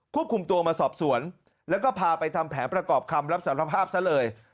คุมตัวมาสอบสวนแล้วก็พาไปทำแผนประกอบคำรับสารภาพซะเลย